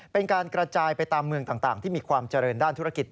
เป็นการกระจายไปตามเมืองต่างที่มีความเจริญด้านธุรกิจ